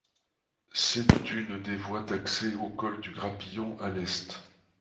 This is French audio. C'est une des voies d'accès au col du Grapillon, à l'est.